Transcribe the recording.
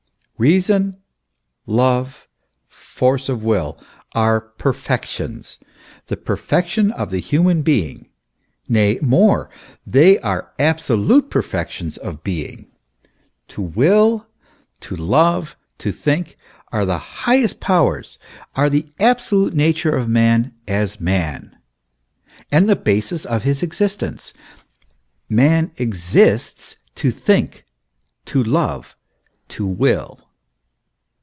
Eeason, love, force of will, are perfections the perfections of the human being nay, more, they are absolute perfections of being. To will, to love, to think, are the highest powers, are the absolute nature of man as man, and the basis of his ex istence. Man exists to think, to love, to will.